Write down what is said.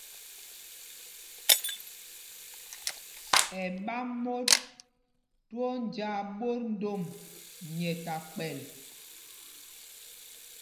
Ɛ ɓa mot twóó njāā ɓot ndom nyɛ ta kpɛl.